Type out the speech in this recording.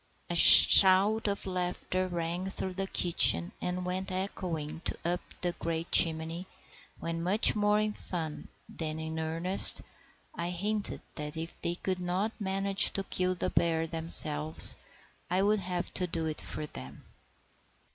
* A shout of laughter rang through the kitchen and went echoing up the great chimney when, much more in fun than in earnest, I hinted that if they could not manage to kill the bear themselves I would have to do it for them.